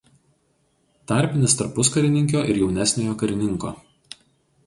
Tarpinis tarp puskarininkio ir jaunesniojo karininko.